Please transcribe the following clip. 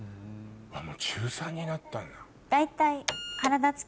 もう中３になったんだ。